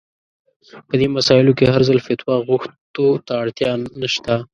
په دې مسايلو کې هر ځل فتوا غوښتو ته اړتيا نشته.